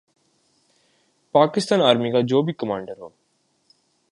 Pakistan army کا جو بھی کمانڈر ہو۔